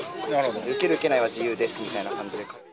受ける受けないは自由ですみたいな感じで。